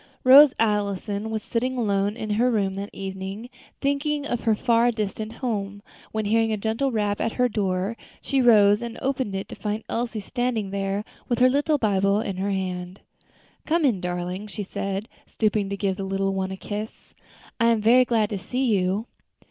Rose Allison was sitting alone in her room that evening, thinking of her far distant home, when hearing a gentle rap at her door, she rose and opened it to find Elsie standing there with her little Bible in her hand. "Come in, darling," she said, stooping to give the little one a kiss; "I am very glad to see you."